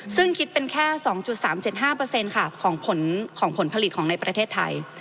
ซึ่งคิดเป็นแค่๒๓๗๕ค่ะของผลผลิตของในประเทศไทย